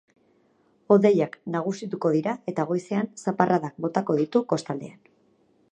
Hodeiak nagusituko dira eta goizean zaparradak botako ditu kostaldean.